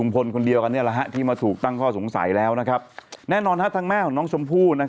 พี่มาถูกตั้งข้อสงสัยแล้วนะครับแม่น้องน้องสมผู้